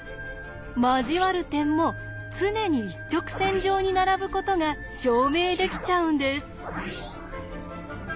交わる点も常に一直線上に並ぶことが証明できちゃうんです。